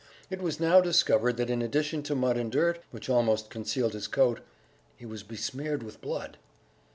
It was now discovered that in addition to mud and dirt, which almost concealed his coat, he was besmeared with blood!